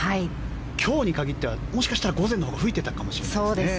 今日に限ってはもしかしたら午前のほうが吹いてたかもしれませんね。